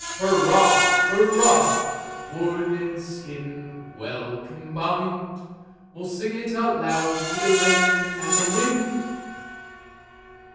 Hurrah ! hurrah ! wood and skin well combin'd, We'll sing it aloud to the rain and the wind!